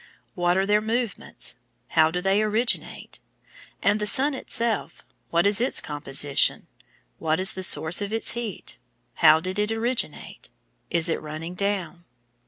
What are their movements? How do they originate? And the Sun itself, what is its composition, what is the source of its heat, how did it originate? Is it running down?